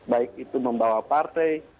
baik itu membawa partai